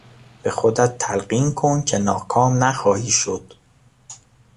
به خودت تلقین کن که ناکام نخواهی شد.